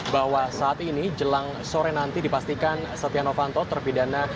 bahwa saat ini jelang sore nanti dipastikan setia novanto terpidana